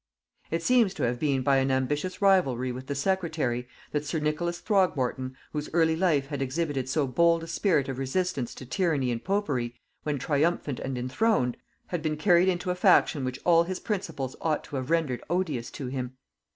It seems to have been by an ambitious rivalry with the secretary, that sir Nicholas Throgmorton, whose early life had exhibited so bold a spirit of resistance to tyranny and popery when triumphant and enthroned, had been carried into a faction which all his principles ought to have rendered odious to him.